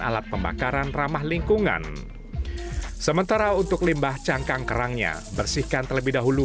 alat pembakaran ramah lingkungan sementara untuk limbah cangkang kerangnya bersihkan terlebih dahulu